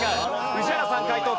宇治原さん解答権なし。